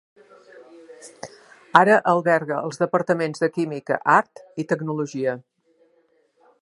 Ara alberga els Departaments de Química, Art i Tecnologia.